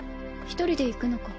一人で行くのか？